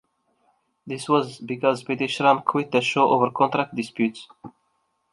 This was because Bitty Schram quit the show over contract disputes.